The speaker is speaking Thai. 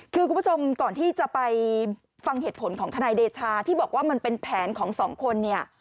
คือคุณผู้ชมก่อนที่จะไปฟังเหตุผลของทนายเดชาที่บอกว่ามันเป็นแผนของสองคนเนี่ย